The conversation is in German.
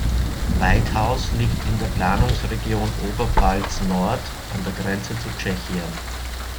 Waidhaus liegt in der Planungsregion Oberpfalz-Nord an der Grenze zu Tschechien.